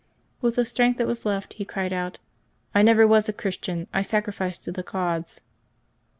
With the strength that was left he cried out, '^ I never was a Christian. I sacrifice to the gods.